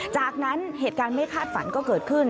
จากนั้นเหตุการณ์ไม่คาดฝันก็เกิดขึ้น